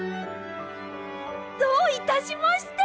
どういたしまして！